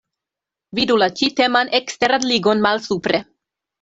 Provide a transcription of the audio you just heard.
Vidu la ĉi-teman eksteran ligon malsupre.